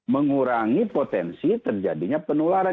mengurangi potensi terjadinya penularan